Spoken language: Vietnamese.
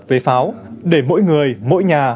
về pháo để mỗi người mỗi nhà